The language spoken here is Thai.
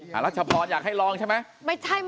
รัชพรอยากให้ลองใช่ไหม